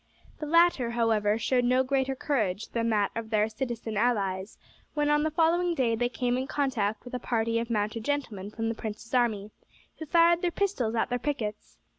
The latter, however, showed no greater courage than that of their citizen allies, when on the following day they came in contact with a party of mounted gentlemen from the prince's army, who fired their pistols at their pickets.